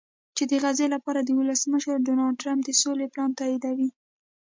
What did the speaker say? چې د غزې لپاره د ولسمشر ډونالډټرمپ د سولې پلان تاییدوي